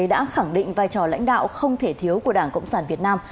đã khẳng định vai trò lãnh đạo không thể thiếu của đảng cộng sản việt nam